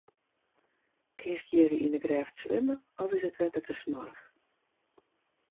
Kinst hjir yn 'e grêft swimme of is it wetter te smoarch?